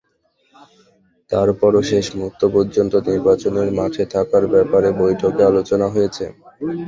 তারপরও শেষ মুহূর্ত পর্যন্ত নির্বাচনের মাঠে থাকার ব্যাপারে বৈঠকে আলোচনা হয়েছে।